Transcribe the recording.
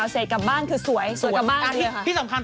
จะเกิดมีนิชชา